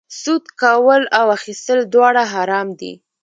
سود کول او اخیستل دواړه حرام دي